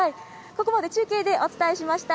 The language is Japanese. ここまで中継でお伝えしました。